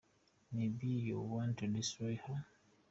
may be you want to destroy her.